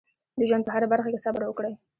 د ژوند په هره برخه کې صبر وکړئ.